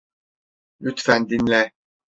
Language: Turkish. Lütfen dinle.